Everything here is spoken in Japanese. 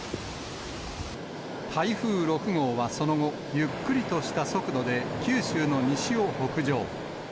台風６号はその後、ゆっくりとした速度で、九州の西を北上。